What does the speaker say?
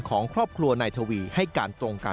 ของครอบครัวในทวีให้การ